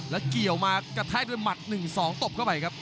แล้วเกี่ยวมากระแทกด้วยหมัด๑๒ตบเข้าไปครับ